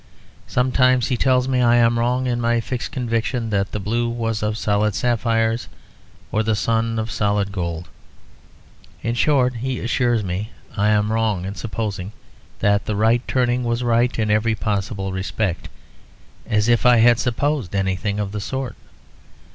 Sometimes he tells me I am wrong in my fixed conviction that the blue was of solid sapphires, or the sun of solid gold. In short he assures me I am wrong in supposing that the right turning was right in every possible respect; as if I had ever supposed anything of the sort.